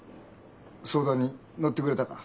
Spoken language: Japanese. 相談に乗ってくれたか？